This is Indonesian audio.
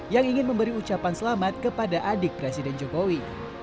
yang ingin memberi ucapan selamat kepada adik presiden jokowi